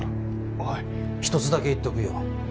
おい・ひとつだけ言っとくよ